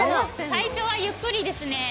最初はゆっくりですね。